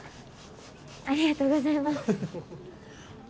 ありがとうございます。